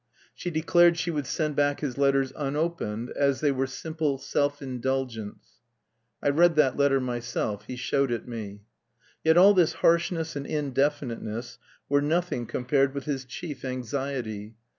She declared she would send back his letters unopened, as they were "simple self indulgence." I read that letter myself he showed it me. Yet all this harshness and indefiniteness were nothing compared with his chief anxiety.